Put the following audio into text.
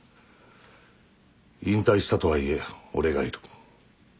引退したとはいえ俺がいる。